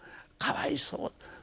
かわいそう。